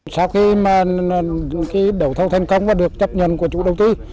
sau khi đẩu thâu thành công và được chấp nhận của chủ đầu tư